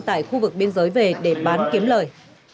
tại khu vực biên giới về để bán kiếm lời